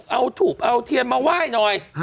เอาถุงเอาเทียมมาว่ายหน่อย